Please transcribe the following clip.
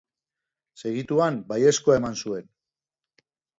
Segituan baiezkoa eman zuen.